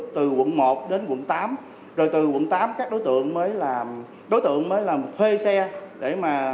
từ quận một đến quận tám rồi từ quận tám các đối tượng mới làm thuê xe